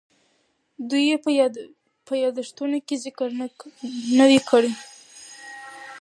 دوی یې په یادښتونو کې ذکر نه دی کړی.